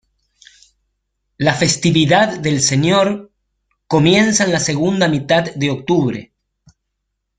La festividad del Señor, comienza en la segunda mitad de octubre.